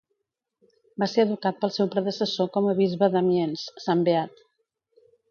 Va ser educat pel seu predecessor com a bisbe d'Amiens, Sant Beat.